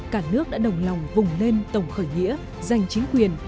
cả nước đã đồng lòng vùng lên tổng khởi nghĩa giành chính quyền